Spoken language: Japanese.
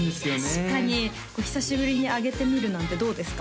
確かにこう久しぶりにあげてみるなんてどうですか？